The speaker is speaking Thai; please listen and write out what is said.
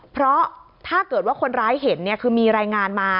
เพราะถ้าเกิดว่าคนร้ายเห็นคือมีรายงานมา